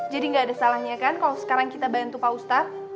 jadi gak ada salahnya kan kalo sekarang kita bantu pak ustadz